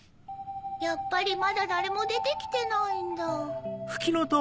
やっぱりまだだれもでてきてないんだ。